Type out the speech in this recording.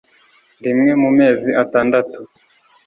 rimwe mu mezi atandatu